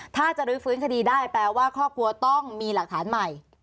ถ้าจะลื้อฟื้นคดีได้แปลว่าครอบครัวต้องมีหลักฐานใหม่